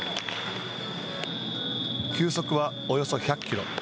球速はおよそ１００キロ。